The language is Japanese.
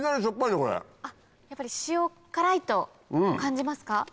やっぱり塩辛いと感じますか？